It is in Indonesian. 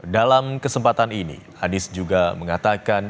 dalam kesempatan ini hadis juga mengatakan